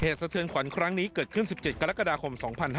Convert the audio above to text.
สะเทือนขวัญครั้งนี้เกิดขึ้น๑๗กรกฎาคม๒๕๕๙